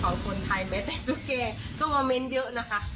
ของคนไทยแม้แต่ตุ๊กแก่ก็มะมันเยอะนะคะ